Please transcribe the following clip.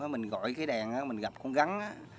mình gọi cái đèn mình gặp con gắn